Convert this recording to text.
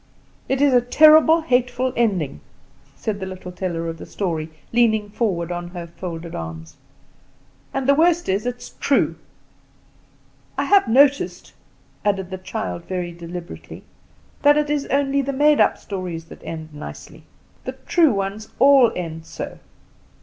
"It is a terrible, hateful ending," said the little teller of the story, leaning forward on her folded arms; "and the worst is, it is true. I have noticed," added the child very deliberately, "that it is only the made up stories that end nicely; the true ones all end so."